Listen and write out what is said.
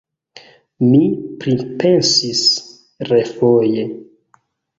Mi pripensis refoje.